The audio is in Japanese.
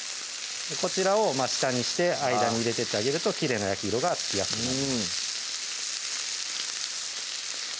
こちらを下にして間に入れてってあげるときれいな焼き色がつきやすくなります